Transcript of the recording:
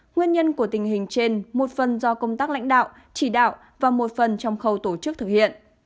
nguyên nhân của tình hình trên một phần do công tác lãnh đạo chỉ đạo và một phần trong khâu tổ chức thực hiện